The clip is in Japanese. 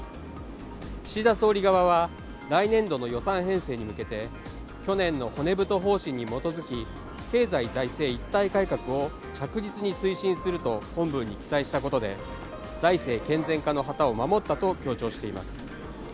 岸田総理側は来年度の予算編成に向けて去年の骨太方針に基づき経済財政一体改革を着実に推進すると本分に記載したことで、財政健全化の旗を守ったと強調しています。